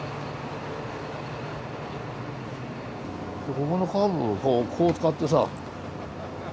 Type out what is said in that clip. ここのカーブをこう使ってさ。